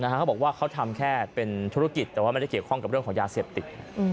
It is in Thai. เขาบอกว่าเขาทำแค่เป็นธุรกิจแต่ว่าไม่ได้เกี่ยวข้องกับเรื่องของยาเสพติด